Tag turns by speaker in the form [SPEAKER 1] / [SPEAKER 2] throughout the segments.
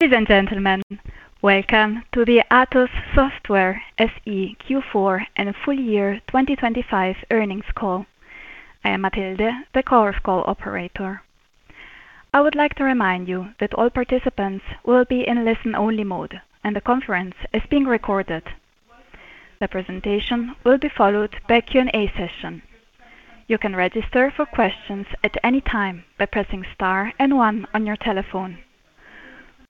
[SPEAKER 1] Ladies and gentlemen, welcome to the ATOSS Software SE Q4 and full year 2025 earnings call. I am Matilde, the call operator. I would like to remind you that all participants will be in listen-only mode, and the conference is being recorded. The presentation will be followed by Q&A session. You can register for questions at any time by pressing Star and One on your telephone.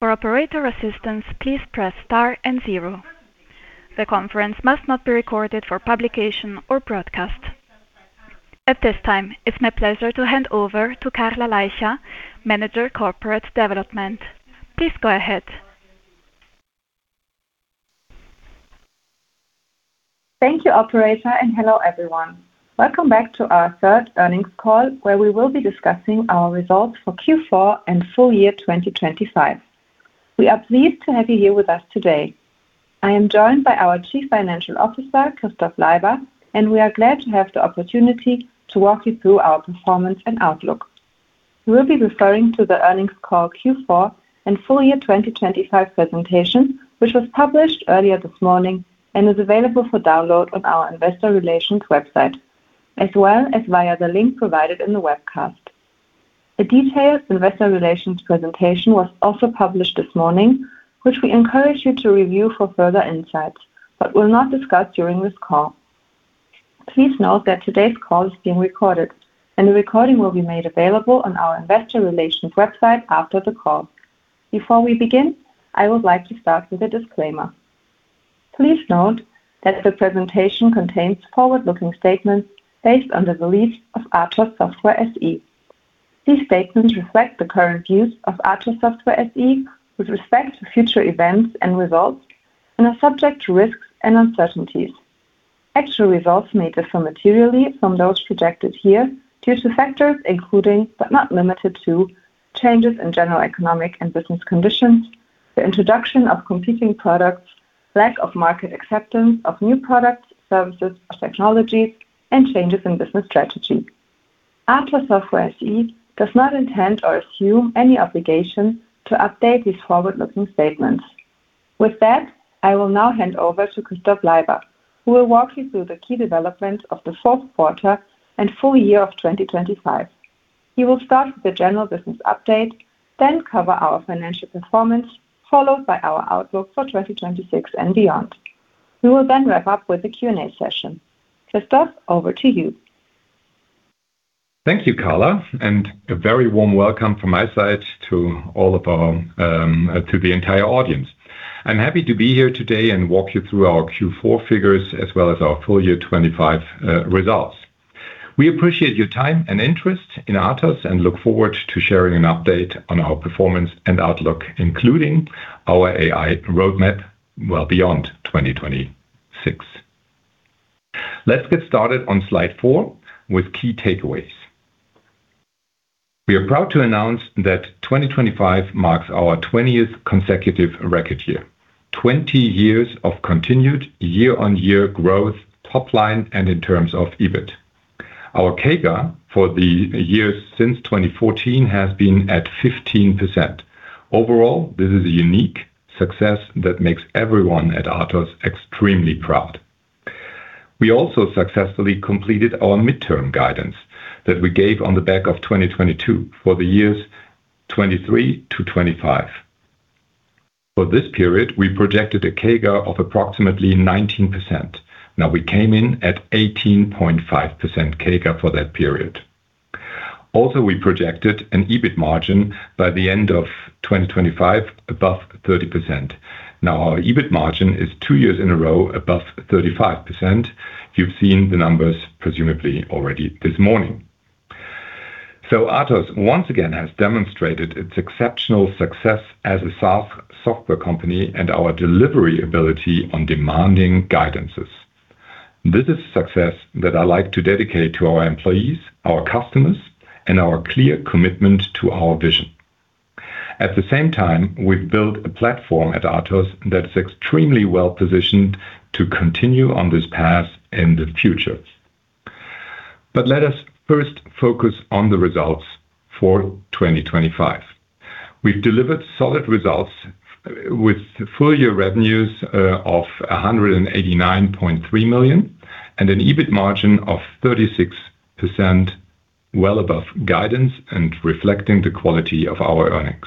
[SPEAKER 1] For operator assistance, please press Star and Zero. The conference must not be recorded for publication or broadcast. At this time, it's my pleasure to hand over to Carla Leicher, Manager, Corporate Development. Please go ahead.
[SPEAKER 2] Thank you, operator, and hello, everyone. Welcome back to our third earnings call, where we will be discussing our results for Q4 and full year 2025. We are pleased to have you here with us today. I am joined by our Chief Financial Officer, Christof Leiber, and we are glad to have the opportunity to walk you through our performance and outlook. We will be referring to the earnings call Q4 and full year 2025 presentation, which was published earlier this morning and is available for download on our investor relations website, as well as via the link provided in the webcast. A detailed investor relations presentation was also published this morning, which we encourage you to review for further insights, but will not discuss during this call. Please note that today's call is being recorded, and the recording will be made available on our investor relations website after the call. Before we begin, I would like to start with a disclaimer. Please note that the presentation contains forward-looking statements based on the beliefs of ATOSS Software SE. These statements reflect the current views of ATOSS Software SE with respect to future events and results and are subject to risks and uncertainties. Actual results may differ materially from those projected here due to factors including, but not limited to, changes in general economic and business conditions, the introduction of competing products, lack of market acceptance of new products, services or technologies, and changes in business strategy. ATOSS Software SE does not intend or assume any obligation to update these forward-looking statements. With that, I will now hand over to Christof Leiber, who will walk you through the key developments of the fourth quarter and full year of 2025. He will start with a general business update, then cover our financial performance, followed by our outlook for 2026 and beyond. We will then wrap up with a Q&A session. Christof, over to you.
[SPEAKER 3] Thank you, Carla, and a very warm welcome from my side to all of our to the entire audience. I'm happy to be here today and walk you through our Q4 figures as well as our full year 2025 results. We appreciate your time and interest in ATOSS, and look forward to sharing an update on our performance and outlook, including our AI roadmap beyond 2026. Let's get started on slide 4 with key takeaways. We are proud to announce that 2025 marks our twentieth consecutive record year. 20 years of continued year-on-year growth, top line, and in terms of EBIT. Our CAGR for the years since 2014 has been at 15%. Overall, this is a unique success that makes everyone at ATOSS extremely proud. We also successfully completed our midterm guidance that we gave on the back of 2022 for the years 2023-2025. For this period, we projected a CAGR of approximately 19%. Now, we came in at 18.5% CAGR for that period. Also, we projected an EBIT margin by the end of 2025, above 30%. Now, our EBIT margin is two years in a row, above 35%. You've seen the numbers presumably already this morning. So ATOSS once again has demonstrated its exceptional success as a software company and our delivery ability on demanding guidances. This is success that I like to dedicate to our employees, our customers, and our clear commitment to our vision. At the same time, we've built a platform at ATOSS that is extremely well-positioned to continue on this path in the future. But let us first focus on the results for 2025. We've delivered solid results with full year revenues of 189.3 million, and an EBIT margin of 36%, well above guidance and reflecting the quality of our earnings.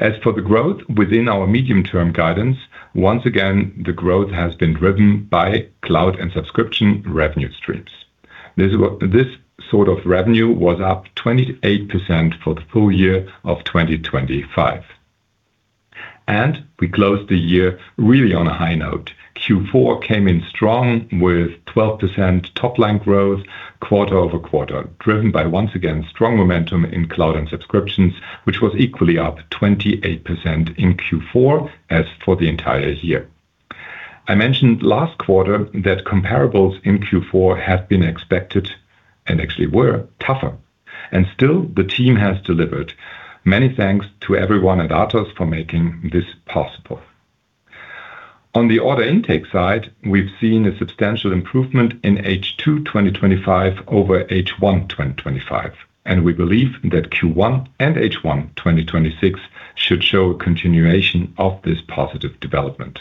[SPEAKER 3] As for the growth within our medium-term guidance, once again, the growth has been driven by cloud and subscription revenue streams. This, this sort of revenue was up 28% for the full year of 2025, and we closed the year really on a high note. Q4 came in strong with 12% top line growth, quarter-over-quarter, driven by, once again, strong momentum in cloud and subscriptions, which was equally up 28% in Q4 as for the entire year. I mentioned last quarter that comparables in Q4 had been expected and actually were tougher, and still the team has delivered. Many thanks to everyone at ATOSS for making this possible. On the order intake side, we've seen a substantial improvement in H2 2025 over H1 2025, and we believe that Q1 and H1 2026 should show a continuation of this positive development.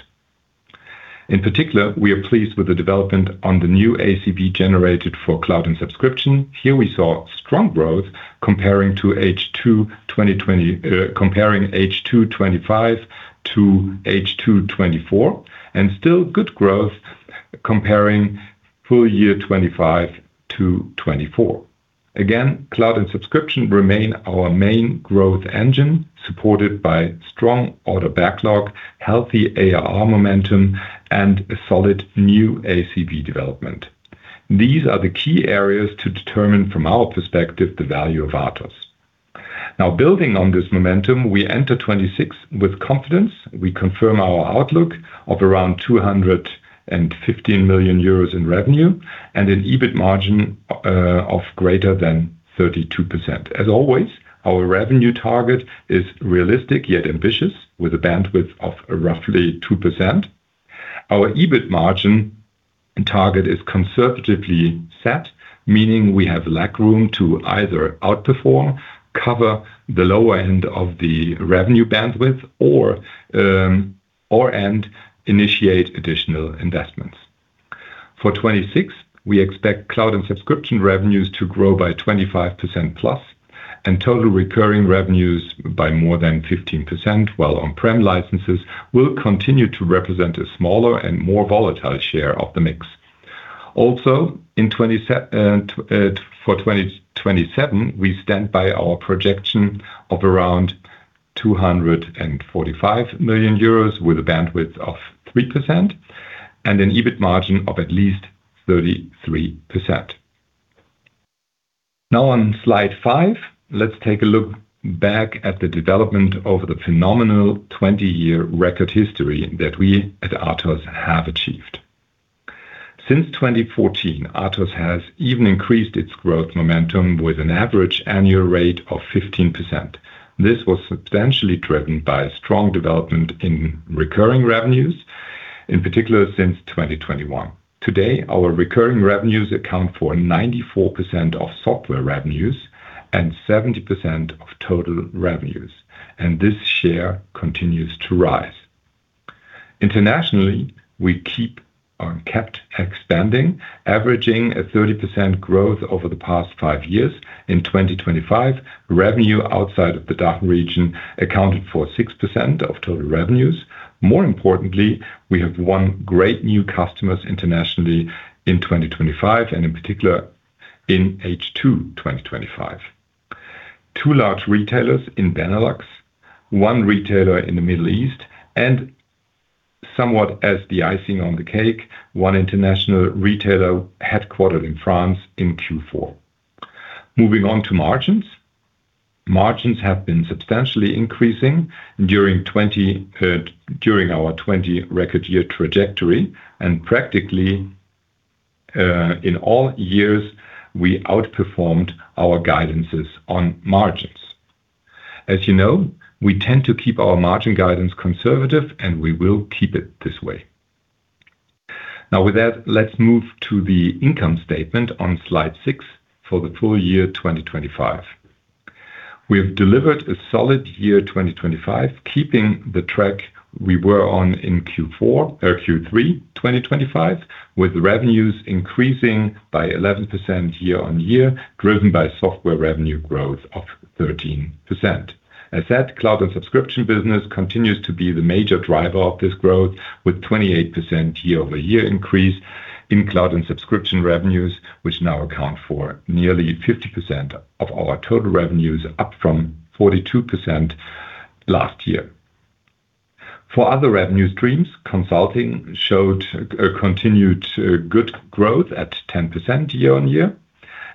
[SPEAKER 3] In particular, we are pleased with the development on the new ACV generated for cloud and subscription. Here we saw strong growth comparing to H2 2020, comparing H2 2025 to H2 2024, and still good growth comparing full year 2025 to 2024. Again, cloud and subscription remain our main growth engine, supported by strong order backlog, healthy ARR momentum, and a solid new ACV development. These are the key areas to determine, from our perspective, the value of ATOSS. Now, building on this momentum, we enter 2026 with confidence. We confirm our outlook of around 215 million euros in revenue and an EBIT margin of greater than 32%. As always, our revenue target is realistic, yet ambitious, with a bandwidth of roughly 2%. Our EBIT margin and target is conservatively set, meaning we have leg room to either outperform, cover the lower end of the revenue bandwidth or or/and initiate additional investments. For 2026, we expect cloud and subscription revenues to grow by 25%+, and total recurring revenues by more than 15%, while on-prem licenses will continue to represent a smaller and more volatile share of the mix. Also, for 2027, we stand by our projection of around 245 million euros, with a bandwidth of 3% and an EBIT margin of at least 33%. Now, on slide 5, let's take a look back at the development of the phenomenal 20-year record history that we at ATOSS have achieved. Since 2014, ATOSS has even increased its growth momentum with an average annual rate of 15%. This was substantially driven by strong development in recurring revenues, in particular since 2021. Today, our recurring revenues account for 94% of software revenues and 70% of total revenues, and this share continues to rise. Internationally, we keep, kept expanding, averaging a 30% growth over the past 5 years. In 2025, revenue outside of the DACH region accounted for 6% of total revenues. More importantly, we have won great new customers internationally in 2025, and in particular in H2 2025. Two large retailers in Benelux, one retailer in the Middle East, and somewhat as the icing on the cake, one international retailer headquartered in France in Q4. Moving on to margins. Margins have been substantially increasing during 20, during our 20 record year trajectory, and practically, in all years, we outperformed our guidances on margins. As you know, we tend to keep our margin guidance conservative, and we will keep it this way. Now, with that, let's move to the income statement on slide 6 for the full year 2025. We have delivered a solid year 2025, keeping the track we were on in Q4, Q3 2025, with revenues increasing by 11% year-on-year, driven by software revenue growth of 13%. As said, cloud and subscription business continues to be the major driver of this growth, with 28% year-over-year increase in cloud and subscription revenues, which now account for nearly 50% of our total revenues, up from 42% last year. For other revenue streams, consulting showed a continued, good growth at 10% year-over-year,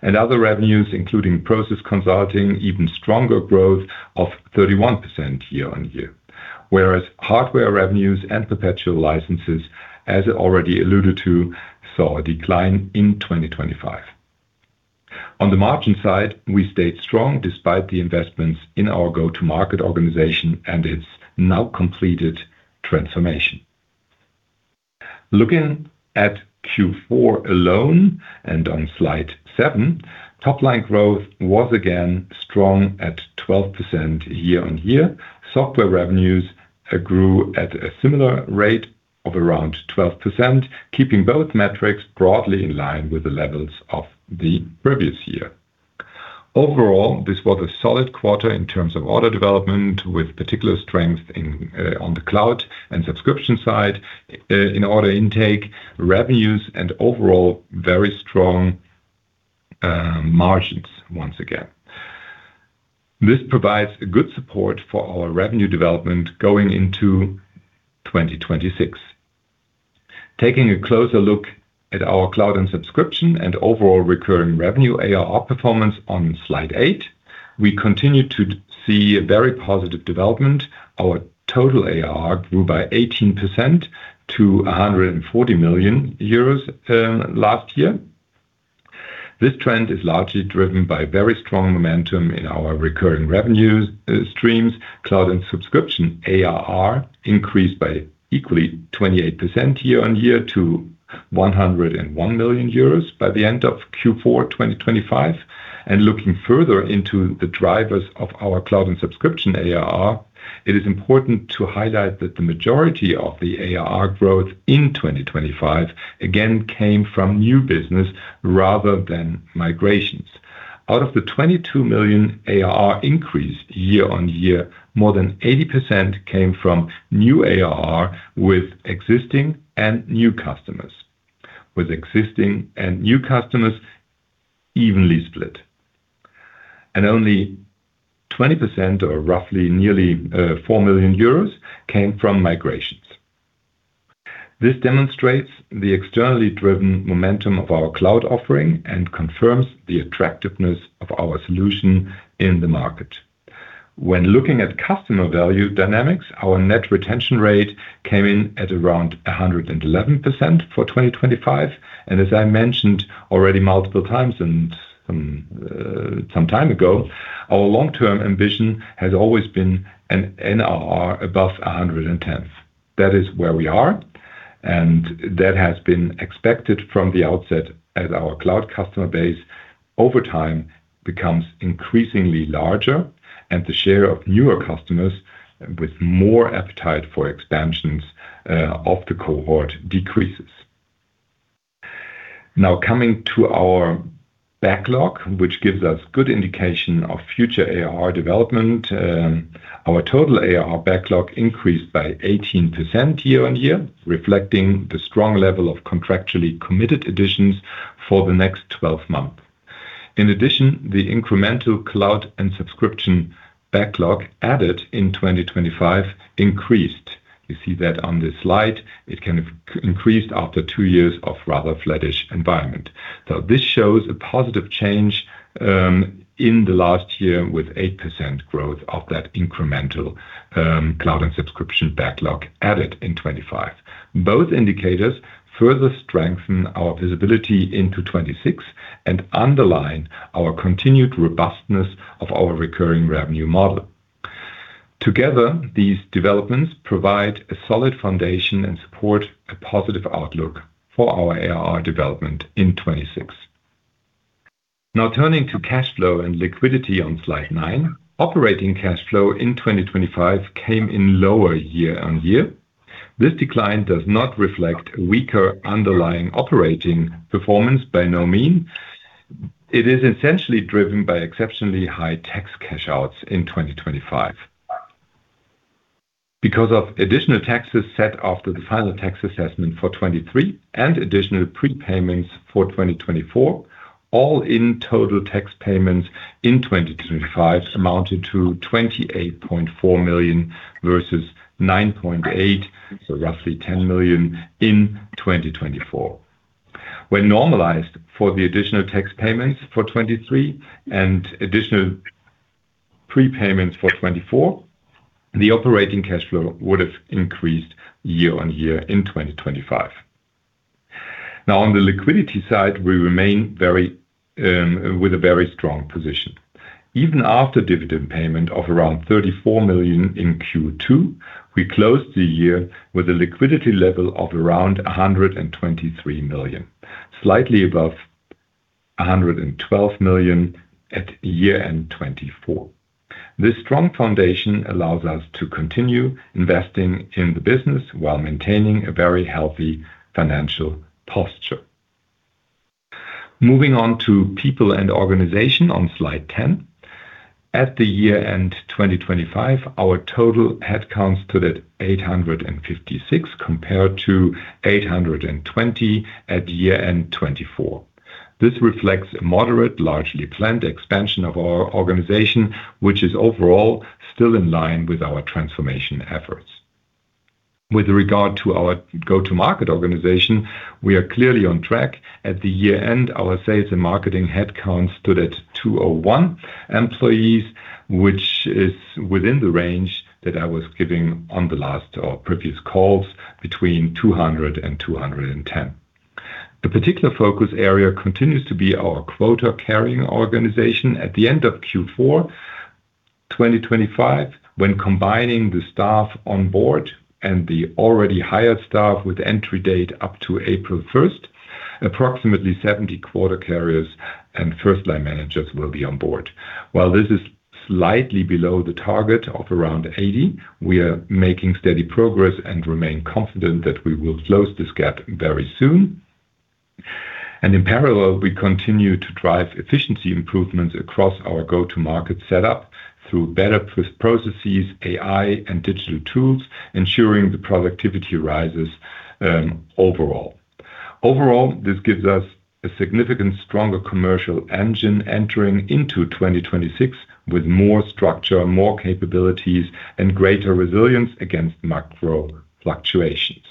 [SPEAKER 3] and other revenues, including process consulting, even stronger growth of 31% year-over-year. Whereas hardware revenues and perpetual licenses, as already alluded to, saw a decline in 2025. On the margin side, we stayed strong despite the investments in our go-to-market organization and its now completed transformation. Looking at Q4 alone, and on slide 7, top line growth was again strong at 12% year-over-year. Software revenues grew at a similar rate of around 12%, keeping both metrics broadly in line with the levels of the previous year. Overall, this was a solid quarter in terms of order development, with particular strength in on the cloud and subscription side in order intake, revenues, and overall, very strong margins once again. This provides a good support for our revenue development going into 2026. Taking a closer look at our cloud and subscription and overall recurring revenue, ARR performance on Slide 8, we continue to see a very positive development. Our total ARR grew by 18% to 140 million euros last year. This trend is largely driven by very strong momentum in our recurring revenues streams, cloud and subscription. ARR increased by 28% year-on-year to 101 million euros by the end of Q4 2025. Looking further into the drivers of our cloud and subscription ARR, it is important to highlight that the majority of the ARR growth in 2025, again, came from new business rather than migrations. Out of the 22 million ARR increase year-on-year, more than 80% came from new ARR with existing and new customers. With existing and new customers evenly split, and only 20% or roughly nearly four million euros came from migrations. This demonstrates the externally driven momentum of our cloud offering and confirms the attractiveness of our solution in the market. When looking at customer value dynamics, our net retention rate came in at around 111% for 2025, and as I mentioned already multiple times and some time ago, our long-term ambition has always been an NRR above 110%. That is where we are, and that has been expected from the outset as our cloud customer base over time becomes increasingly larger, and the share of newer customers with more appetite for expansions of the cohort decreases. Now, coming to our backlog, which gives us good indication of future ARR development, our total ARR backlog increased by 18% year-on-year, reflecting the strong level of contractually committed additions for the next 12 months. In addition, the incremental cloud and subscription backlog added in 2025 increased. You see that on this slide. It has increased after two years of rather flattish environment. So this shows a positive change in the last year, with 8% growth of that incremental cloud and subscription backlog added in 2025. Both indicators further strengthen our visibility into 2026 and underline our continued robustness of our recurring revenue model. Together, these developments provide a solid foundation and support a positive outlook for our ARR development in 2026. Now, turning to cash flow and liquidity on slide 9. Operating cash flow in 2025 came in lower year-on-year. This decline does not reflect weaker underlying operating performance by no means. It is essentially driven by exceptionally high tax cash outs in 2025. Because of additional taxes set after the final tax assessment for 2023 and additional prepayments for 2024, all in total tax payments in 2025 amounted to 28.4 million versus 9.8 million, so roughly 10 million in 2024. When normalized for the additional tax payments for 2023 and additional prepayments for 2024, the operating cash flow would have increased year-on-year in 2025. Now on the liquidity side, we remain very, with a very strong position. Even after dividend payment of around 34 million in Q2, we closed the year with a liquidity level of around 123 million, slightly above 112 million at year-end 2024. This strong foundation allows us to continue investing in the business while maintaining a very healthy financial posture. Moving on to people and organization on slide 10. At the year end 2025, our total headcounts stood at 856, compared to 820 at year end 2024. This reflects a moderate, largely planned expansion of our organization, which is overall still in line with our transformation efforts. With regard to our go-to-market organization, we are clearly on track. At the year end, our sales and marketing headcount stood at 201 employees, which is within the range that I was giving on the last previous calls, between 200 and 210. The particular focus area continues to be our quota-carrying organization. At the end of Q4 2025, when combining the staff on board and the already hired staff with entry date up to April 1, approximately 70 quota carriers and first-line managers will be on board. While this is slightly below the target of around 80, we are making steady progress and remain confident that we will close this gap very soon. In parallel, we continue to drive efficiency improvements across our go-to-market setup through better processes, AI, and digital tools, ensuring the productivity rises overall. Overall, this gives us a significant, stronger commercial engine entering into 2026, with more structure, more capabilities, and greater resilience against macro fluctuations.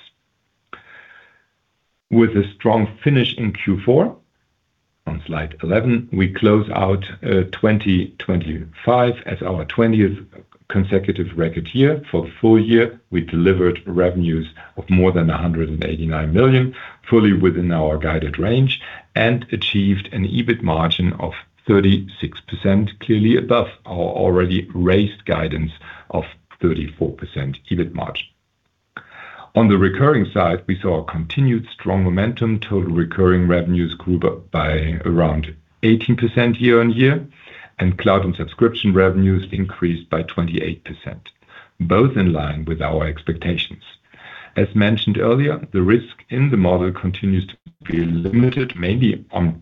[SPEAKER 3] With a strong finish in Q4, on slide 11, we close out 2025 as our 20th consecutive record year. For full year, we delivered revenues of more than 189 million, fully within our guided range, and achieved an EBIT margin of 36%, clearly above our already raised guidance of 34% EBIT margin. On the recurring side, we saw a continued strong momentum. Total recurring revenues grew by around 18% year-on-year, and cloud and subscription revenues increased by 28%, both in line with our expectations. As mentioned earlier, the risk in the model continues to be limited, mainly on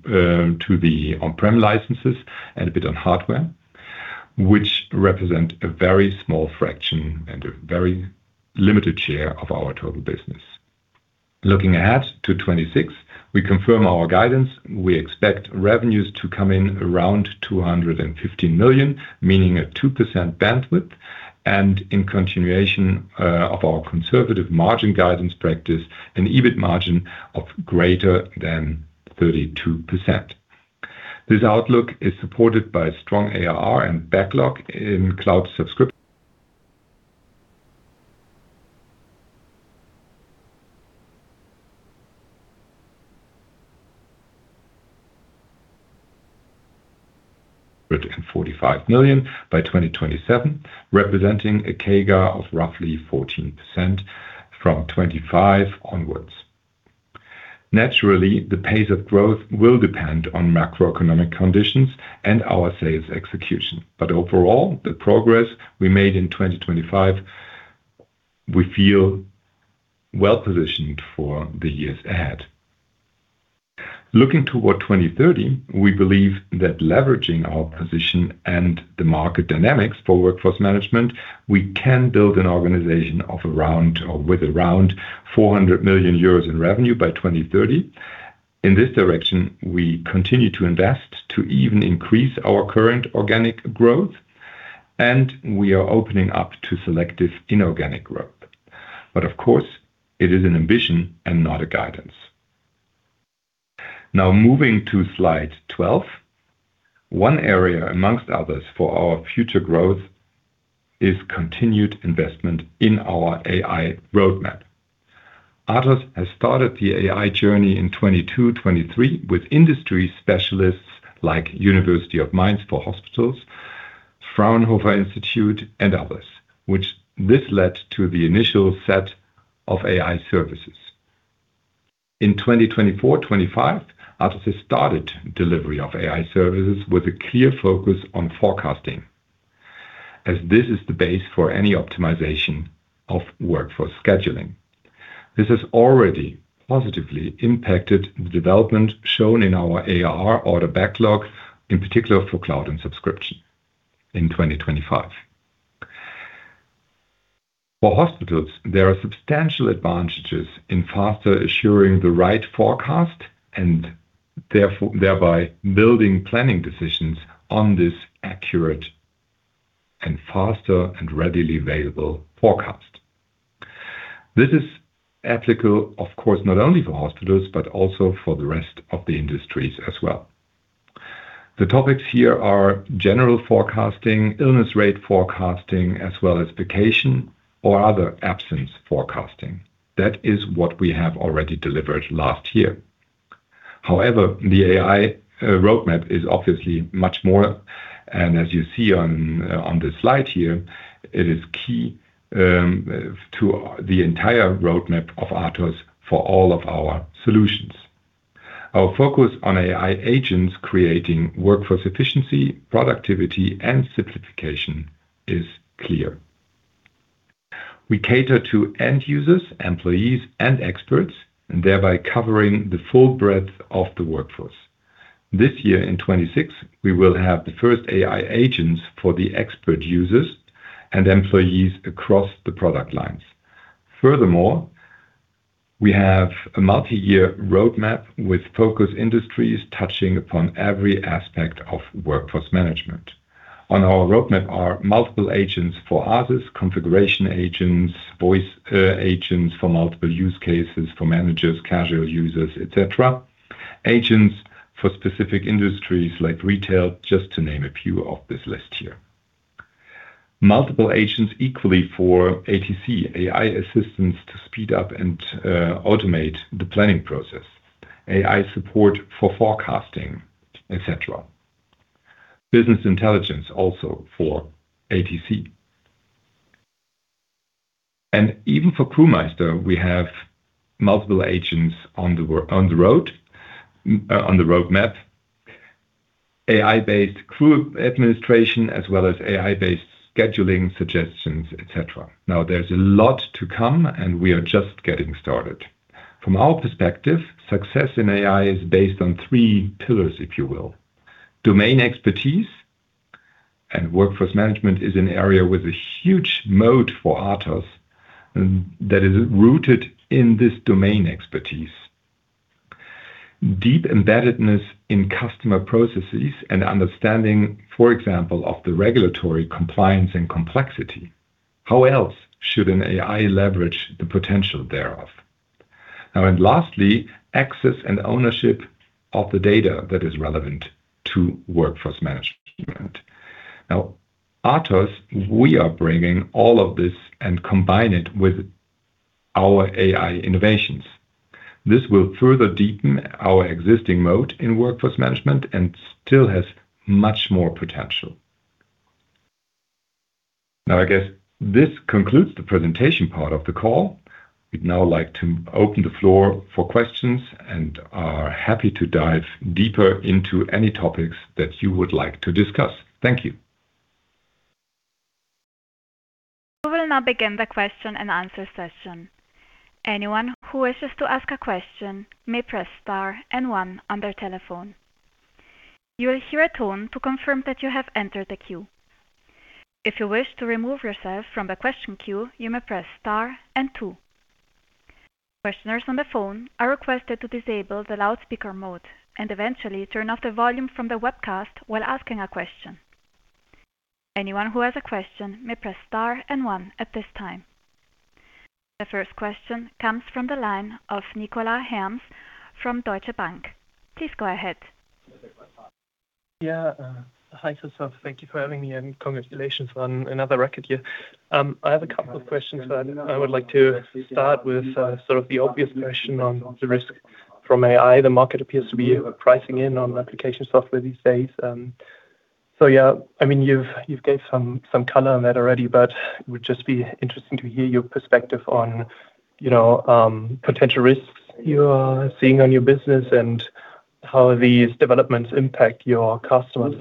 [SPEAKER 3] to the on-prem licenses and a bit on hardware, which represent a very small fraction and a very limited share of our total business. Looking ahead to 2026, we confirm our guidance. We expect revenues to come in around 250 million, meaning a 2% bandwidth, and in continuation of our conservative margin guidance practice, an EBIT margin of greater than 32%. This outlook is supported by strong ARR and backlog in cloud subscription. And 245 million by 2027, representing a CAGR of roughly 14% from 2025 onwards. Naturally, the pace of growth will depend on macroeconomic conditions and our sales execution. But overall, the progress we made in 2025, we feel well positioned for the years ahead. Looking toward 2030, we believe that leveraging our position and the market dynamics for workforce management, we can build an organization of around or with around 400 million euros in revenue by 2030. In this direction, we continue to invest to even increase our current organic growth, and we are opening up to selective inorganic growth. But of course, it is an ambition and not a guidance. Now, moving to slide 12. One area, among others, for our future growth is continued investment in our AI roadmap. ATOSS has started the AI journey in 2022, 2023 with industry specialists like University Medical Center Mainz for hospitals, Fraunhofer Institute, and others, which this led to the initial set of AI services. In 2024, 2025, ATOSS started delivery of AI services with a clear focus on forecasting, as this is the base for any optimization of workforce scheduling. This has already positively impacted the development shown in our ARR order backlog, in particular for cloud and subscription in 2025. For hospitals, there are substantial advantages in faster assuring the right forecast and therefore, thereby building planning decisions on this accurate and faster and readily available forecast. This is applicable, of course, not only for hospitals, but also for the rest of the industries as well. The topics here are general forecasting, illness rate forecasting, as well as vacation or other absence forecasting. That is what we have already delivered last year. However, the AI roadmap is obviously much more, and as you see on this slide here, it is key to the entire roadmap of ATOSS for all of our solutions. Our focus on AI agents creating workforce efficiency, productivity, and simplification is clear. We cater to end users, employees, and experts, and thereby covering the full breadth of the workforce. This year, in 2026, we will have the first AI agents for the expert users and employees across the product lines. Furthermore, we have a multi-year roadmap with focus industries touching upon every aspect of workforce management. On our roadmap are multiple agents for ASES, configuration agents, voice agents for multiple use cases, for managers, casual users, et cetera. Agents for specific industries like retail, just to name a few off this list here. Multiple agents equally for ATC, AI assistants to speed up and automate the planning process, AI support for forecasting, et cetera. Business intelligence also for ATC. And even for Crewmeister, we have multiple agents on the roadmap, AI-based crew administration, as well as AI-based scheduling suggestions, et cetera. Now, there's a lot to come, and we are just getting started. From our perspective, success in AI is based on three pillars, if you will. Domain expertise and workforce management is an area with a huge moat for ATOSS that is rooted in this domain expertise. Deep embeddedness in customer processes and understanding, for example, of the regulatory compliance and complexity. How else should an AI leverage the potential thereof? And lastly, access and ownership of the data that is relevant to workforce management. Now, ATOSS, we are bringing all of this and combine it with our AI innovations. This will further deepen our existing moat in workforce management, and still has much more potential. Now, I guess this concludes the presentation part of the call. We'd now like to open the floor for questions, and are happy to dive deeper into any topics that you would like to discuss. Thank you.
[SPEAKER 1] We will now begin the question and answer session. Anyone who wishes to ask a question may press star and one on their telephone. You will hear a tone to confirm that you have entered the queue. If you wish to remove yourself from the question queue, you may press star and two. Questioners on the phone are requested to disable the loudspeaker mode, and eventually turn off the volume from the webcast while asking a question. Anyone who has a question may press star and one at this time. The first question comes from the line of Nicolas Herms from Deutsche Bank. Please go ahead.
[SPEAKER 4] Yeah. Hi, Christof. Thank you for having me, and congratulations on another record year. I have a couple of questions, but I would like to start with sort of the obvious question on the risk from AI. The market appears to be pricing in on application software these days. So yeah, I mean, you've gave some color on that already, but it would just be interesting to hear your perspective on, you know, potential risks you are seeing on your business and how these developments impact your customers.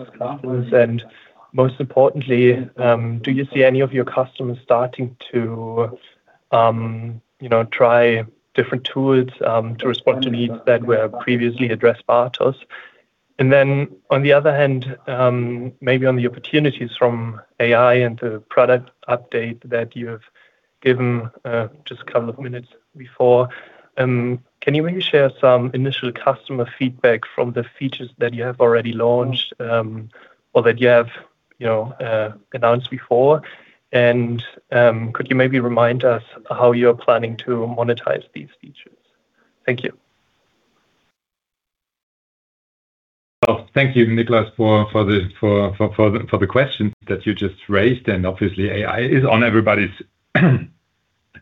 [SPEAKER 4] And most importantly, do you see any of your customers starting to, you know, try different tools to respond to needs that were previously addressed by ATOSS? And then, on the other hand, maybe on the opportunities from AI and the product update that you have given, just a couple of minutes before, can you maybe share some initial customer feedback from the features that you have already launched, or that you have, you know, announced before? And, could you maybe remind us how you're planning to monetize these features? Thank you.
[SPEAKER 3] Well, thank you, Nicolas, for the question that you just raised, and obviously, AI is on everybody's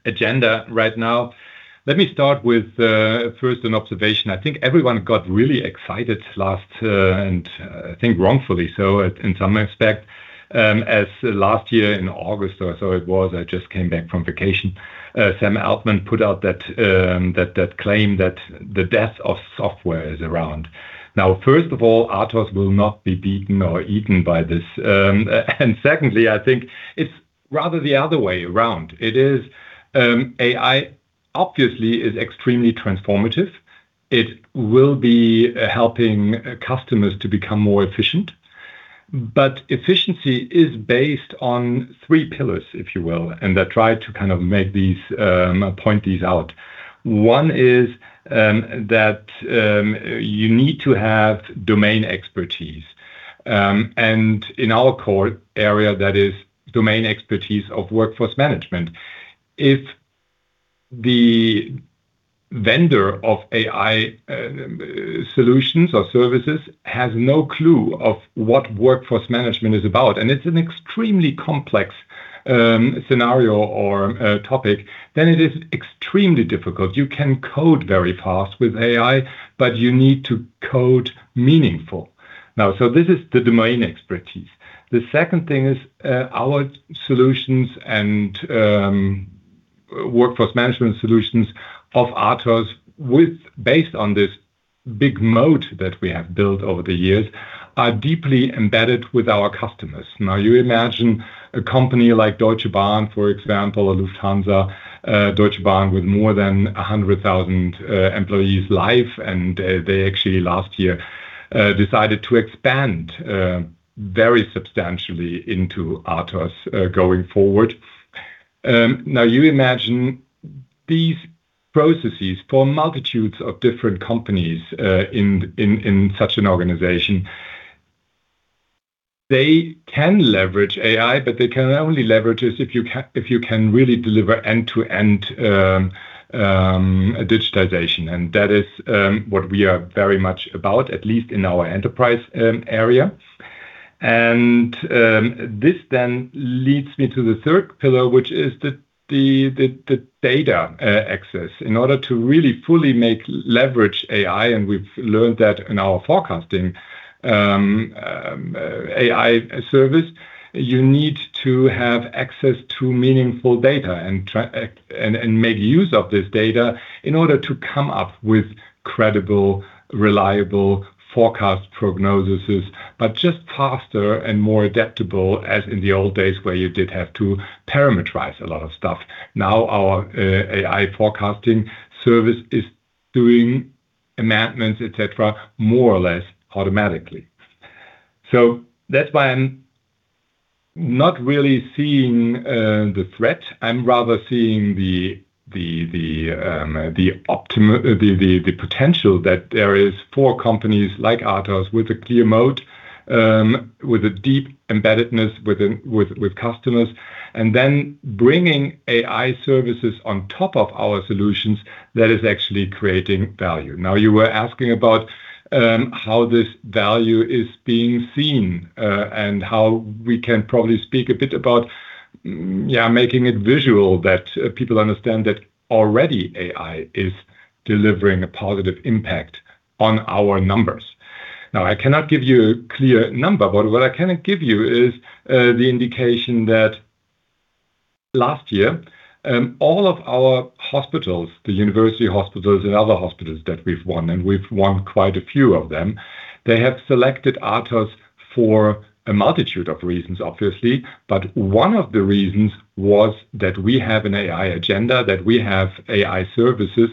[SPEAKER 3] agenda right now. Let me start with first an observation. I think everyone got really excited last, and I think wrongfully so in some respect, as last year in August, or so it was, I just came back from vacation, Sam Altman put out that claim that the death of software is around. Now, first of all, ATOSS will not be beaten or eaten by this. And secondly, I think it's rather the other way around. It is, AI obviously is extremely transformative. It will be helping customers to become more efficient, but efficiency is based on three pillars, if you will, and I try to kind of make these points out. One is that you need to have domain expertise. And in our core area, that is domain expertise of workforce management. If the vendor of AI solutions or services has no clue of what workforce management is about, and it's an extremely complex scenario or topic, then it is extremely difficult. You can code very fast with AI, but you need to code meaningful. Now, so this is the domain expertise. The second thing is, our solutions and workforce management solutions of ATOSS with based on this big moat that we have built over the years, are deeply embedded with our customers. Now, imagine a company like Deutsche Bahn, for example, or Lufthansa, Deutsche Bahn, with more than 100,000 employees live, and they actually last year decided to expand very substantially into ATOSS going forward. Now, imagine these processes for multitudes of different companies in such an organization. They can leverage AI, but they can only leverage it if you can really deliver end-to-end digitization, and that is what we are very much about, at least in our enterprise area. And this then leads me to the third pillar, which is the data access. In order to really fully make leverage AI, and we've learned that in our forecasting AI service, you need to have access to meaningful data, and and make use of this data in order to come up with credible, reliable forecast prognoses, but just faster and more adaptable, as in the old days, where you did have to parameterize a lot of stuff. Now, our AI forecasting service is doing amendments, et cetera, more or less automatically. So that's why I'm not really seeing the threat. I'm rather seeing the potential that there is for companies like ATOSS with a clear moat, with a deep embeddedness within customers, and then bringing AI services on top of our solutions, that is actually creating value. Now, you were asking about how this value is being seen, and how we can probably speak a bit about making it visual, that people understand that already AI is delivering a positive impact on our numbers. Now, I cannot give you a clear number, but what I can give you is the indication that last year, all of our hospitals, the university hospitals and other hospitals that we've won, and we've won quite a few of them, they have selected ATOSS for a multitude of reasons, obviously. But one of the reasons was that we have an AI agenda, that we have AI services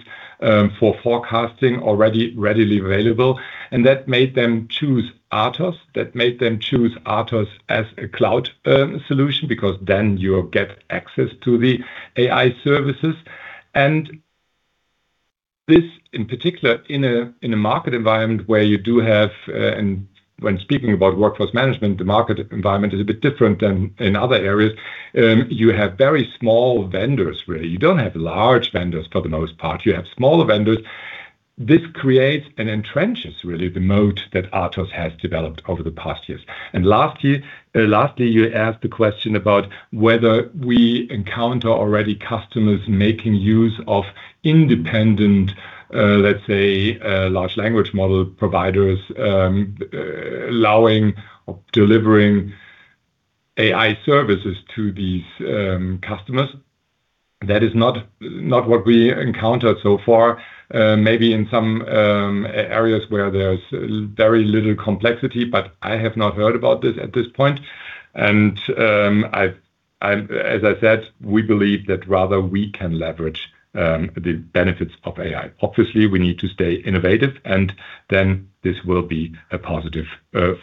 [SPEAKER 3] for forecasting already readily available, and that made them choose ATOSS. That made them choose ATOSS as a cloud solution, because then you'll get access to the AI services. And this, in particular, in a market environment where you do have—and when speaking about workforce management, the market environment is a bit different than in other areas. You have very small vendors, really. You don't have large vendors, for the most part. You have smaller vendors. This creates and entrenches, really, the moat that ATOSS has developed over the past years. And last year, lastly, you asked the question about whether we encounter already customers making use of independent, let's say, large language model providers, allowing or delivering AI services to these, customers. That is not, not what we encountered so far. Maybe in some, areas where there's very little complexity, but I have not heard about this at this point. As I said, we believe that rather we can leverage the benefits of AI. Obviously, we need to stay innovative, and then this will be a positive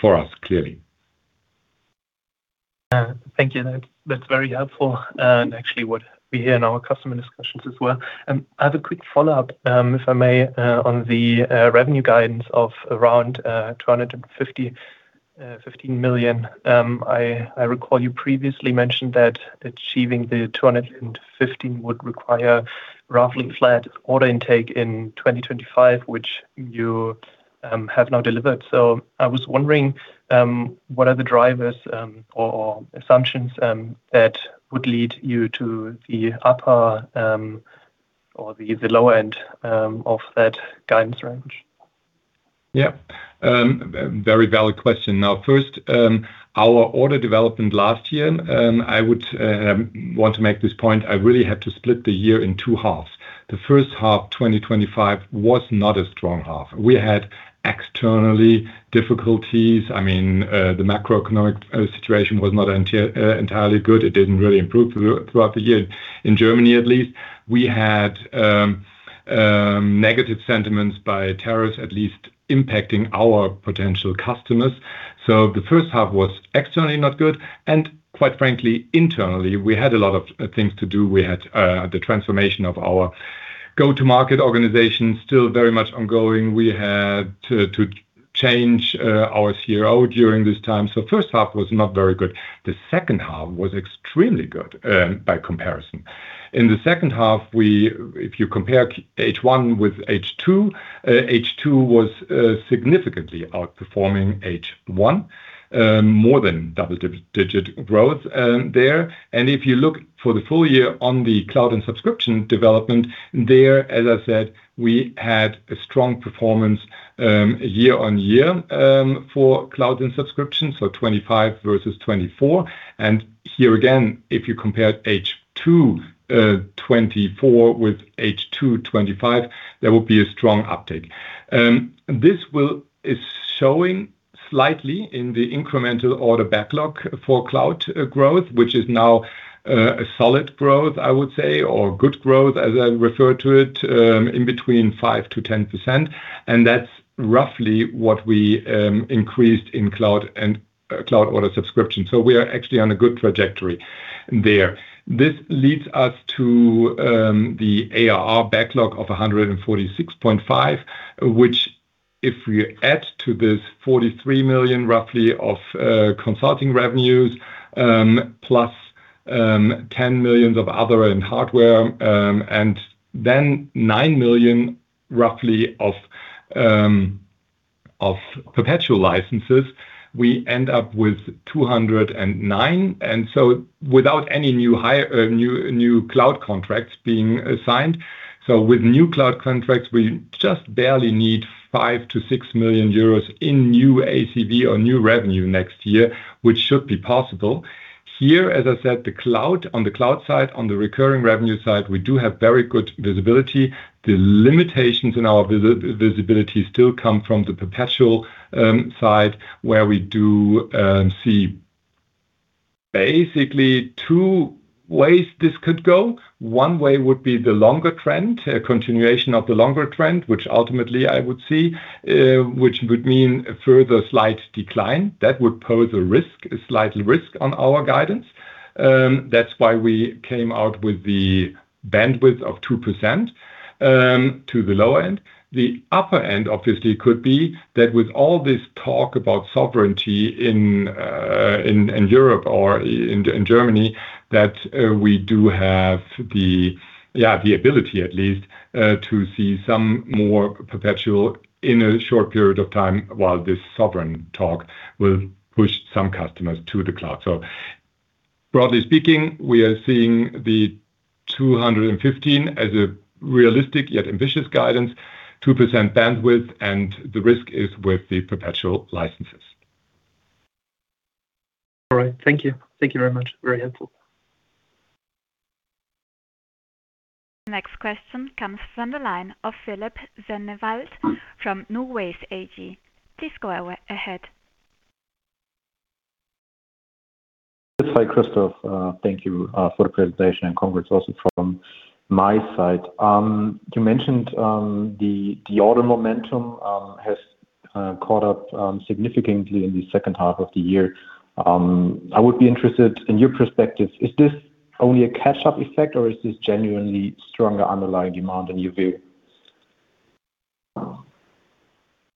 [SPEAKER 3] for us, clearly.
[SPEAKER 4] Thank you. That's, that's very helpful, and actually what we hear in our customer discussions as well. I have a quick follow-up, if I may, on the revenue guidance of around 215 million. I, I recall you previously mentioned that achieving the 215 million would require roughly flat order intake in 2025, which you have now delivered. So I was wondering, what are the drivers or assumptions that would lead you to the upper or the lower end of that guidance range?
[SPEAKER 3] Yeah. Very valid question. Now, first, our order development last year, I would want to make this point, I really had to split the year in two halves. The first half, 2025, was not a strong half. We had externally difficulties. I mean, the macroeconomic situation was not entirely good. It didn't really improve throughout the year. In Germany, at least, we had negative sentiments by terrorists, at least impacting our potential customers. So the first half was externally not good, and quite frankly, internally, we had a lot of things to do. We had the transformation of our go-to-market organization still very much ongoing. We had to change our CRO during this time. So first half was not very good. The second half was extremely good, by comparison. In the second half, if you compare H1 with H2, H2 was significantly outperforming H1, more than double-digit growth there. And if you look for the full year on the cloud and subscription development there, as I said, we had a strong performance year-on-year for cloud and subscription, so 25 versus 24. And here, again, if you compared H2 2024 with H2 2025, there will be a strong uptake. This is showing slightly in the incremental order backlog for cloud growth, which is now a solid growth, I would say, or good growth, as I refer to it, between 5%-10%, and that's roughly what we increased in cloud and cloud order subscription. So we are actually on a good trajectory there. This leads us to the ARR backlog of 146.5, which if we add to this 43 million, roughly, of consulting revenues, plus 10 million of other and hardware, and then 9 million, roughly, of perpetual licenses, we end up with 209, and so without any new hire, new cloud contracts being signed. So with new cloud contracts, we just barely need 5-6 million euros in new ACV or new revenue next year, which should be possible. Here, as I said, the cloud, on the cloud side, on the recurring revenue side, we do have very good visibility. The limitations in our visibility still come from the perpetual side, where we do see basically two ways this could go. One way would be the longer trend, a continuation of the longer trend, which ultimately I would see, which would mean a further slight decline. That would pose a risk, a slight risk on our guidance. That's why we came out with the bandwidth of 2%, to the lower end. The upper end, obviously, could be that with all this talk about sovereignty in, in Europe or in, in Germany, that we do have the, yeah, the ability at least, to see some more perpetual in a short period of time, while this sovereign talk will push some customers to the cloud. So broadly speaking, we are seeing the 215 as a realistic, yet ambitious guidance, 2% bandwidth, and the risk is with the perpetual licenses.
[SPEAKER 4] All right. Thank you. Thank you very much. Very helpful.
[SPEAKER 1] The next question comes from the line of Philipp Sennewald from NuWays AG. Please go ahead.
[SPEAKER 5] Hi, Christof. Thank you for the presentation, and congrats also from my side. You mentioned the order momentum has caught up significantly in the second half of the year. I would be interested in your perspective, is this only a catch-up effect, or is this genuinely stronger underlying demand in your view?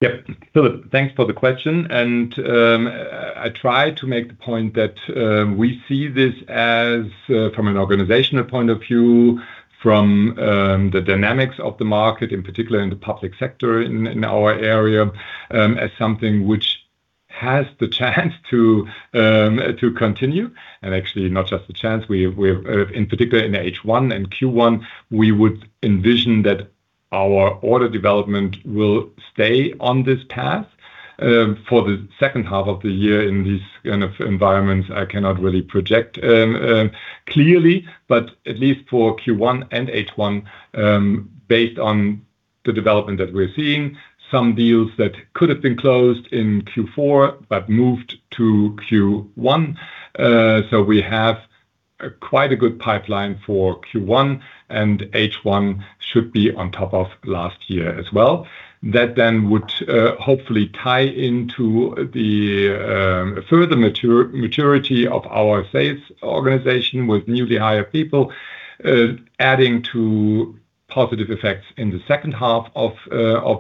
[SPEAKER 3] Yep. Philipp, thanks for the question, and I try to make the point that we see this as from an organizational point of view, from the dynamics of the market, in particular in the public sector in our area, as something which has the chance to continue, and actually not just the chance, we've in particular, in H1 and Q1, we would envision that our order development will stay on this path. For the second half of the year in this kind of environment, I cannot really project clearly, but at least for Q1 and H1, based on the development that we're seeing, some deals that could have been closed in Q4 but moved to Q1. So we have quite a good pipeline for Q1, and H1 should be on top of last year as well. That then would hopefully tie into the further maturity of our sales organization with newly hired people adding to positive effects in the second half of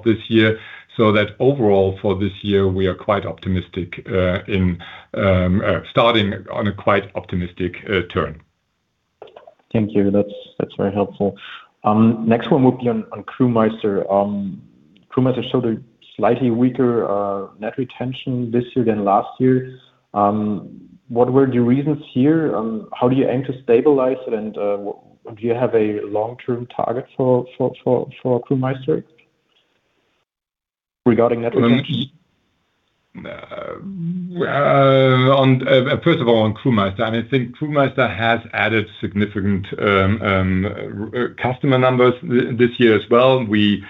[SPEAKER 3] this year. So that overall, for this year, we are quite optimistic in starting on a quite optimistic turn.
[SPEAKER 5] Thank you. That's, that's very helpful. Next one would be on Crewmeister. Crewmeister showed a slightly weaker net retention this year than last year. What were the reasons here? How do you aim to stabilize it, and do you have a long-term target for Crewmeister regarding net retention?
[SPEAKER 3] On first of all, on Crewmeister, I think Crewmeister has added significant customer numbers this year as well. We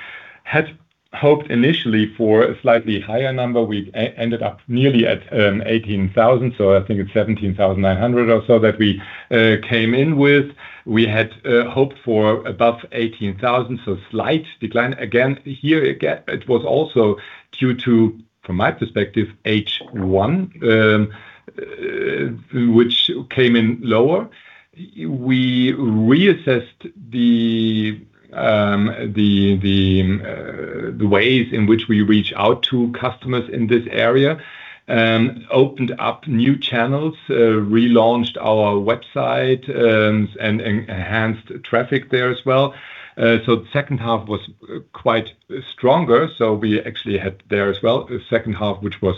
[SPEAKER 3] had hoped initially for a slightly higher number. We ended up nearly at 18,000, so I think it's 17,900 or so that we came in with. We had hoped for above 18,000, so slight decline. Again, it was also due to, from my perspective, H1, which came in lower. We reassessed the ways in which we reach out to customers in this area, opened up new channels, relaunched our website, and enhanced traffic there as well. So the second half was quite stronger, so we actually had there as well a second half, which was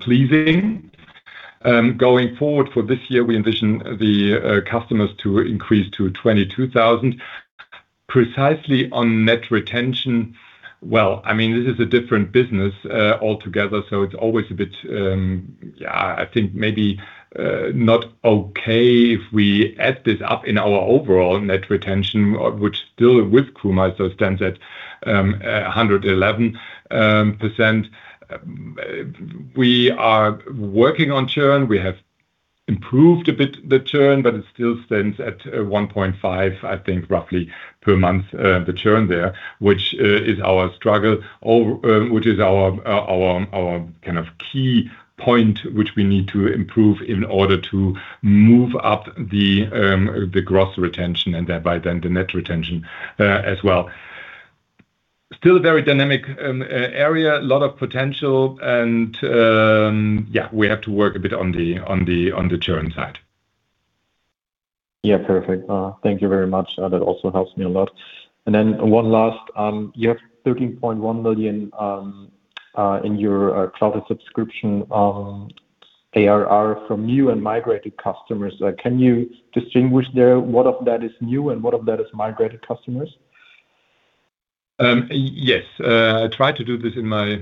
[SPEAKER 3] pleasing. Going forward for this year, we envision the customers to increase to 22,000. Precisely on net retention, well, I mean, this is a different business altogether, so it's always a bit... Yeah, I think maybe not okay if we add this up in our overall net retention, which still with Crewmeister stands at 111%. We are working on churn. We have improved a bit, the churn, but it still stands at 1.5, I think, roughly per month, the churn there, which is our struggle, or which is our kind of key point, which we need to improve in order to move up the gross retention, and thereby then the net retention, as well. Still a very dynamic area, a lot of potential, and yeah, we have to work a bit on the churn side.
[SPEAKER 5] Yeah, perfect. Thank you very much. That also helps me a lot. And then one last, you have 13.1 million in your cloud subscription ARR from new and migrated customers. Can you distinguish there, what of that is new and what of that is migrated customers?
[SPEAKER 3] Yes. I tried to do this in my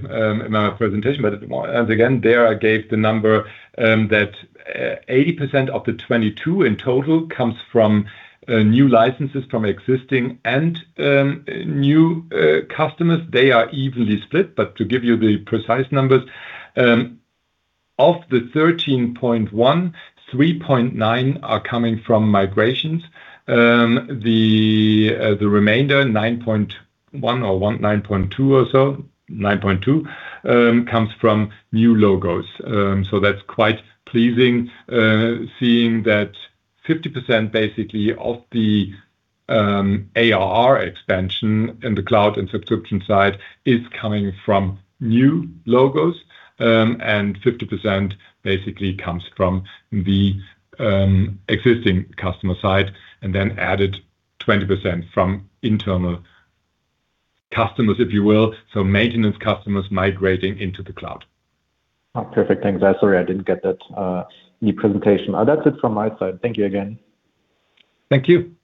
[SPEAKER 3] presentation, but once again, there I gave the number that 80% of the 22 in total comes from new licenses, from existing and new customers. They are evenly split, but to give you the precise numbers of the 13.1, 3.9 are coming from migrations. The remainder, 9.1 or one-- 9.2 or so, 9.2, comes from new logos. So that's quite pleasing, seeing that 50% basically of the ARR expansion in the cloud and subscription side is coming from new logos. And 50% basically comes from the existing customer side, and then added 20% from internal customers, if you will. So maintenance customers migrating into the cloud.
[SPEAKER 5] Oh, perfect. Thanks. I'm sorry, I didn't get that, in the presentation. That's it from my side. Thank you again.
[SPEAKER 3] Thank you.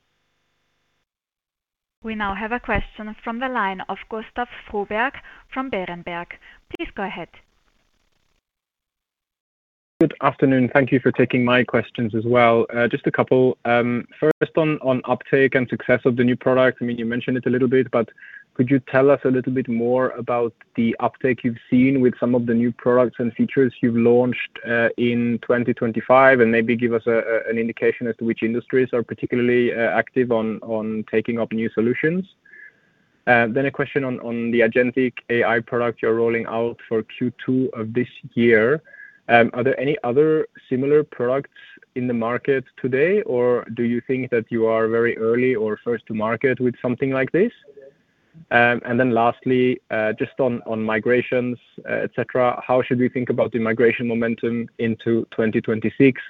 [SPEAKER 1] We now have a question from the line of Gustav Froberg from Berenberg. Please go ahead.
[SPEAKER 6] Good afternoon. Thank you for taking my questions as well. Just a couple. First on uptake and success of the new product. I mean, you mentioned it a little bit, but could you tell us a little bit more about the uptake you've seen with some of the new products and features you've launched, in 2025? And maybe give us an indication as to which industries are particularly active on taking up new solutions. Then a question on the agentic AI product you're rolling out for Q2 of this year. Are there any other similar products in the market today, or do you think that you are very early or first to market with something like this? And then lastly, just on, on migrations, et cetera, how should we think about the migration momentum into 2026?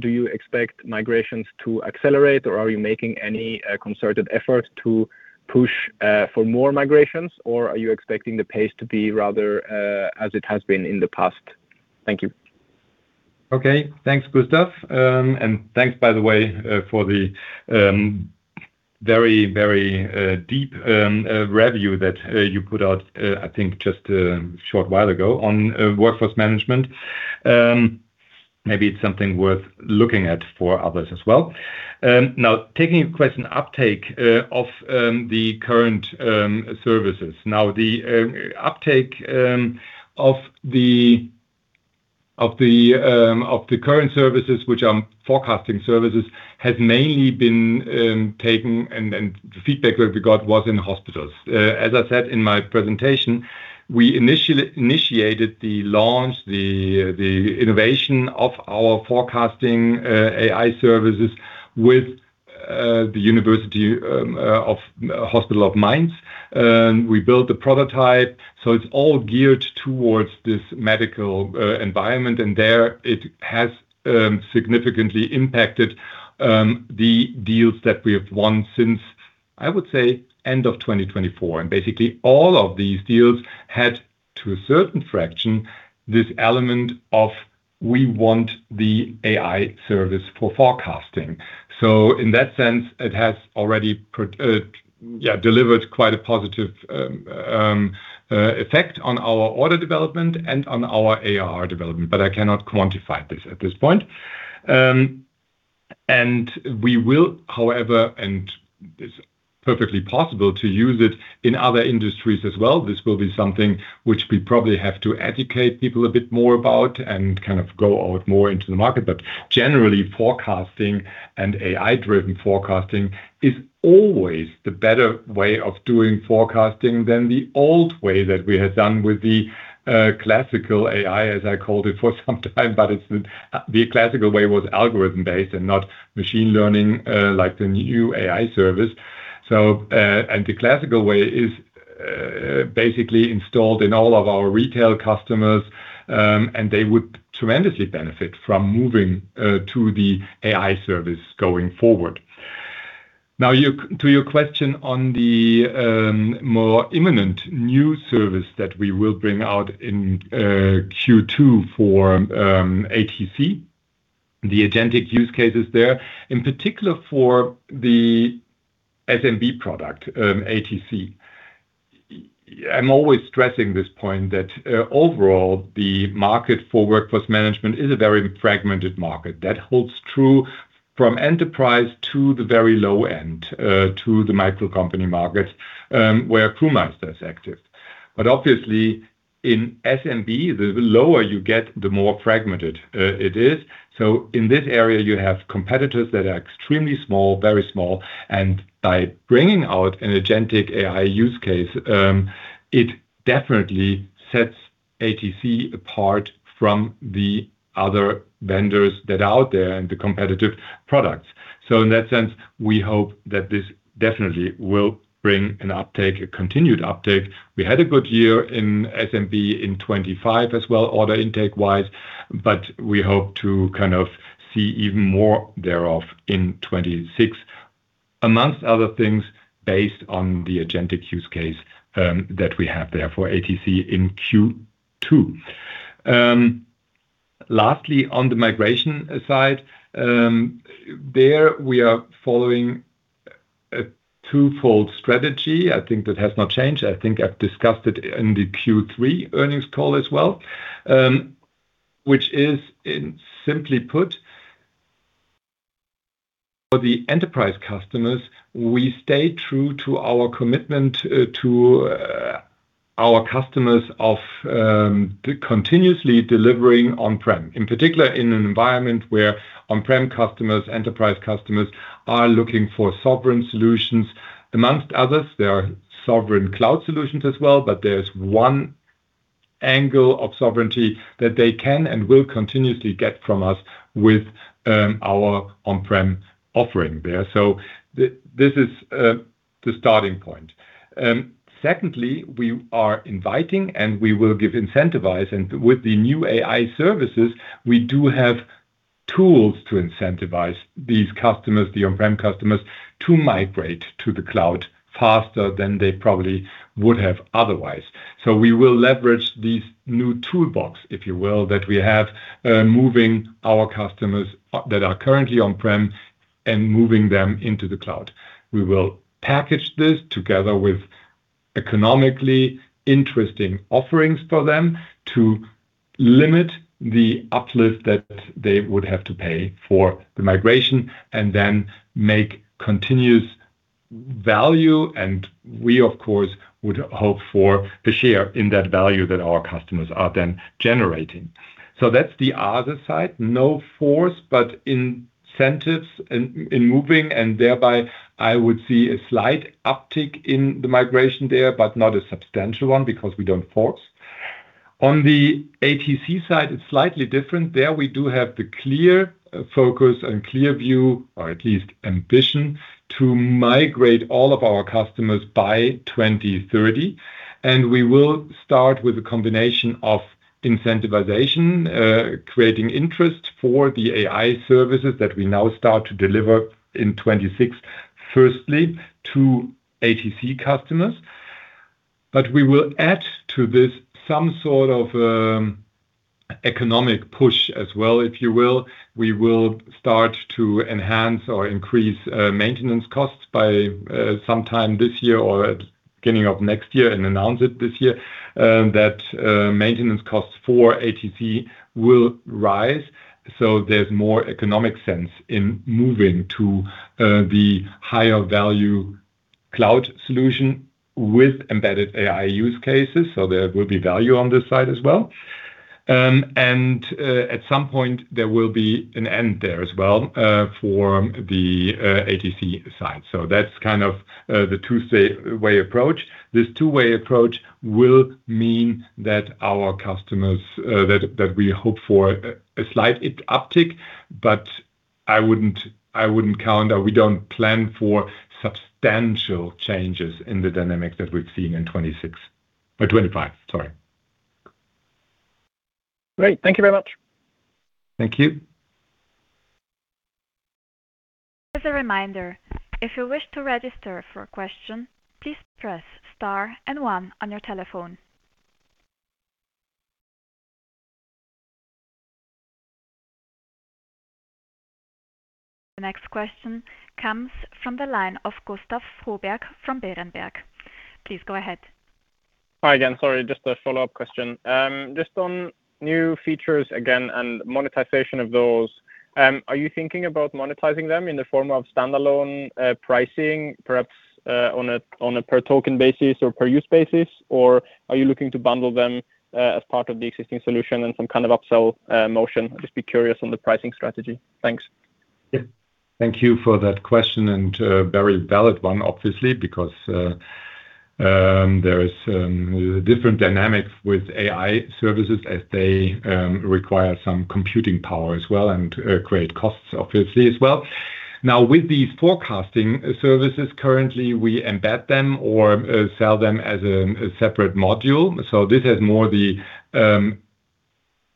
[SPEAKER 6] Do you expect migrations to accelerate, or are you making any, concerted effort to push, for more migrations, or are you expecting the pace to be rather, as it has been in the past? Thank you.
[SPEAKER 3] Okay. Thanks, Gustav. And thanks, by the way, for the very, very deep review that you put out, I think just a short while ago on workforce management. Maybe it's something worth looking at for others as well. Now, taking your question, uptake of the current services. Now, the uptake of the current services, which are forecasting services, has mainly been taken, and then the feedback that we got was in hospitals. As I said in my presentation, we initiated the launch, the innovation of our forecasting AI services with the University Hospital of Mainz. We built the prototype, so it's all geared towards this medical environment, and there it has significantly impacted the deals that we have won since, I would say, end of 2024. And basically, all of these deals had, to a certain fraction, this element of, we want the AI service for forecasting. So in that sense, it has already delivered quite a positive effect on our order development and on our ARR development, but I cannot quantify this at this point. And we will, however, and it's perfectly possible to use it in other industries as well. This will be something which we probably have to educate people a bit more about and kind of go out more into the market. But generally, forecasting and AI-driven forecasting is always the better way of doing forecasting than the old way that we had done with the classical AI, as I called it for some time. But it's the classical way was algorithm-based and not machine learning like the new AI service. So, and the classical way is basically installed in all of our retail customers, and they would tremendously benefit from moving to the AI service going forward. Now, to your question on the more imminent new service that we will bring out in Q2 for ATC, the agentic use cases there, in particular for the SMB product, ATC. I'm always stressing this point that overall, the market for workforce management is a very fragmented market. That holds true from enterprise to the very low end to the micro company markets, where Crewmeister is active. But obviously, in SMB, the lower you get, the more fragmented it is. So in this area, you have competitors that are extremely small, very small, and by bringing out an agentic AI use case, it definitely sets ATC apart from the other vendors that are out there and the competitive products. So in that sense, we hope that this definitely will bring an uptake, a continued uptake. We had a good year in SMB in 2025 as well, order intake-wise, but we hope to kind of see even more thereof in 2026, among other things, based on the agentic use case that we have there for ATC in Q2. Lastly, on the migration side, there we are following a twofold strategy. I think that has not changed. I think I've discussed it in the Q3 earnings call as well, which is, simply put, for the enterprise customers, we stay true to our commitment to our customers of continuously delivering on-prem, in particular, in an environment where on-prem customers, enterprise customers, are looking for sovereign solutions. Among others, there are sovereign cloud solutions as well, but there's one angle of sovereignty that they can and will continuously get from us with our on-prem offering there. So this is the starting point. Secondly, we are inviting, and we will give incentivize, and with the new AI services, we do have tools to incentivize these customers, the on-prem customers, to migrate to the cloud faster than they probably would have otherwise. So we will leverage these new toolbox, if you will, that we have, moving our customers that are currently on-prem and moving them into the cloud. We will package this together with economically interesting offerings for them to limit the uplift that they would have to pay for the migration, and then make continuous value, and we, of course, would hope for the share in that value that our customers are then generating. So that's the other side. No force, but incentives in, in moving, and thereby, I would see a slight uptick in the migration there, but not a substantial one because we don't force. On the ATC side, it's slightly different. There, we do have the clear focus and clear view, or at least ambition, to migrate all of our customers by 2030, and we will start with a combination of incentivization, creating interest for the AI services that we now start to deliver in 2026, firstly, to ATC customers. But we will add to this some sort of economic push as well, if you will. We will start to enhance or increase maintenance costs by sometime this year or at beginning of next year, and announce it this year, that maintenance costs for ATC will rise. So there's more economic sense in moving to the higher value cloud solution with embedded AI use cases, so there will be value on this side as well. At some point, there will be an end there as well for the ATC side. So that's kind of the two-way approach. This two-way approach will mean that our customers that we hope for a slight uptick, but I wouldn't count on... We don't plan for substantial changes in the dynamic that we've seen in 2026 or 2025, sorry.
[SPEAKER 6] Great. Thank you very much.
[SPEAKER 3] Thank you.
[SPEAKER 1] As a reminder, if you wish to register for a question, please press star and one on your telephone. The next question comes from the line of Gustav Froberg from Berenberg. Please go ahead.
[SPEAKER 6] Hi again. Sorry, just a follow-up question. Just on new features again and monetization of those, are you thinking about monetizing them in the form of standalone, pricing, perhaps, on a per token basis or per use basis? Or are you looking to bundle them, as part of the existing solution and some kind of upsell, motion? I'd just be curious on the pricing strategy. Thanks.
[SPEAKER 3] Yeah. Thank you for that question, and very valid one, obviously, because there is different dynamics with AI services as they require some computing power as well and create costs, obviously, as well. Now, with these forecasting services, currently, we embed them or sell them as a separate module. So this is more the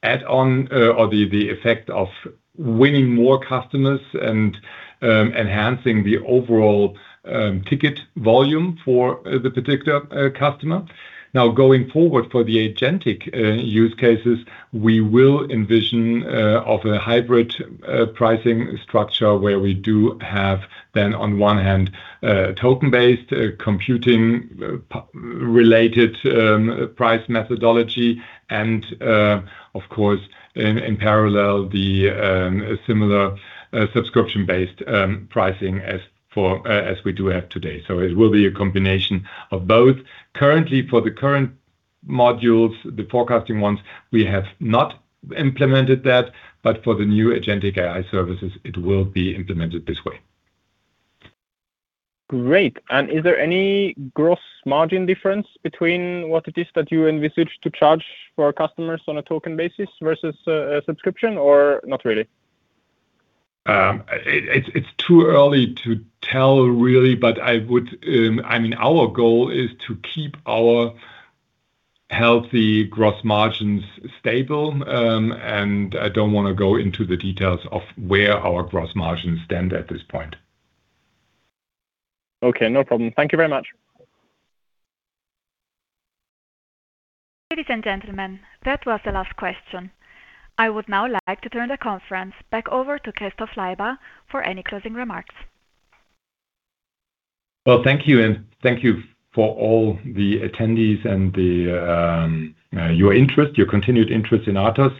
[SPEAKER 3] add-on or the effect of winning more customers and enhancing the overall ticket volume for the particular customer. Now, going forward for the agentic use cases, we will envision a hybrid pricing structure where we do have then, on one hand, token-based computing power-related price methodology, and of course, in parallel, the similar subscription-based pricing as we do have today. It will be a combination of both. Currently, for the current modules, the forecasting ones, we have not implemented that, but for the new agentic AI services, it will be implemented this way.
[SPEAKER 6] Great. And is there any gross margin difference between what it is that you envisage to charge for customers on a token basis versus a subscription, or not really?
[SPEAKER 3] It's too early to tell, really, but I would, I mean, our goal is to keep our healthy gross margins stable, and I don't wanna go into the details of where our gross margins stand at this point.
[SPEAKER 6] Okay. No problem. Thank you very much.
[SPEAKER 1] Ladies and gentlemen, that was the last question. I would now like to turn the conference back over to Christof Leiber for any closing remarks.
[SPEAKER 3] Well, thank you, and thank you for all the attendees and your interest, your continued interest in ATOSS.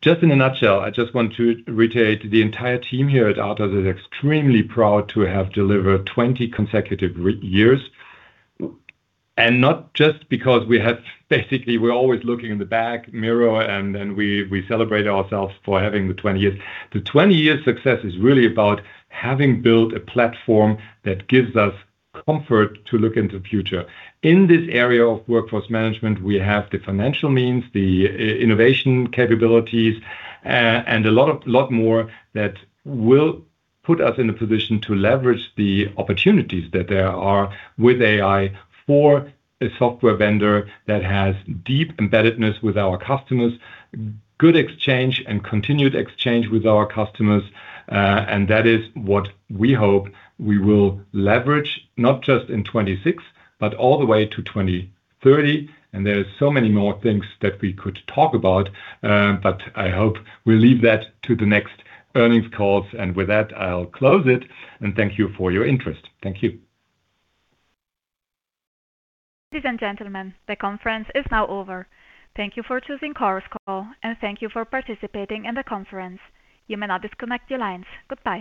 [SPEAKER 3] Just in a nutshell, I just want to reiterate, the entire team here at ATOSS is extremely proud to have delivered 20 consecutive years. And not just because we have... Basically, we're always looking in the back mirror, and then we, we celebrate ourselves for having the 20 years. The 20 years success is really about having built a platform that gives us comfort to look into the future. In this area of workforce management, we have the financial means, the innovation capabilities, and a lot more that will put us in a position to leverage the opportunities that there are with AI for a software vendor that has deep embeddedness with our customers, good exchange and continued exchange with our customers. And that is what we hope we will leverage, not just in 2026, but all the way to 2030, and there are so many more things that we could talk about, but I hope we leave that to the next earnings calls. And with that, I'll close it, and thank you for your interest. Thank you.
[SPEAKER 1] Ladies and gentlemen, the conference is now over. Thank you for choosing Chorus Call, and thank you for participating in the conference. You may now disconnect your lines. Goodbye.